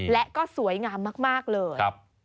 และก็สวยงามมากเลย